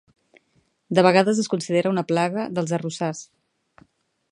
De vegades es considera una plaga dels arrossars.